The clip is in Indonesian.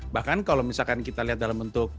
bahkan kalau misalkan kita lihat dalam bentuk